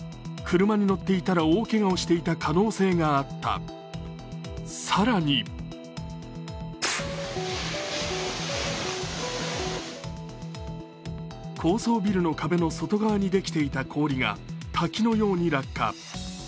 車に乗っていたら大けがをしていた可能性があった、更に高層ビルの壁の外側にできていた氷が滝のように落下。